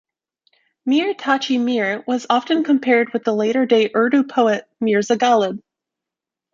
Mir Taqi Mir was often compared with the later day Urdu poet, Mirza Ghalib.